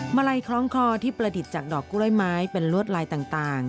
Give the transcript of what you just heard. มาลัยคล้องคอที่ประดิษฐ์จากดอกกล้วยไม้เป็นลวดลายต่าง